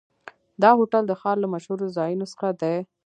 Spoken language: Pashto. دا هوټل د ښار له مشهورو ځایونو څخه دی.